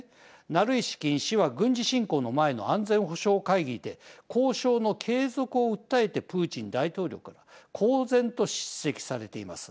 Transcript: ナルイシキン氏は軍事侵攻前の安全保障会議で交渉の継続を訴えてプーチン大統領から公然と叱責されています。